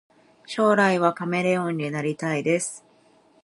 将来はカメレオンになりたいです